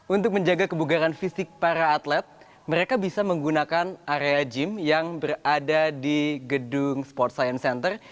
untuk menjaga kebugaran fisik para atlet mereka bisa menggunakan area gym yang berada di gedung sport science center